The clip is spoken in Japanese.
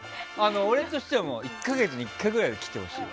俺としては１か月に１回ぐらい来てほしい。